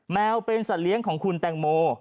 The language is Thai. แมวเป็นสัตว์เลี้ยงของคุณแตงโม